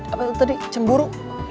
apa itu tadi cemburu